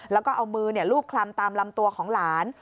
แล้วก็เอามือลูบคลำตามลำตัวของหลาน